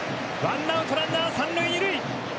１アウト、ランナー三塁二塁。